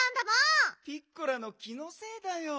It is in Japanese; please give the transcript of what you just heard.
ピッコラの気のせいだよ。